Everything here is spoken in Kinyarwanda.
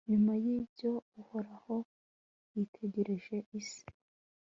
nyuma y'ibyo uhoraho yitegereje isi